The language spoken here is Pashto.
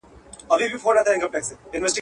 چي ډاکټر ورته کتله وارخطا سو.